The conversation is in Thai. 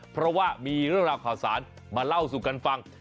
เพราะว่ามีเรื่องราวข่าวสารมาเล่าสู่กันฟัง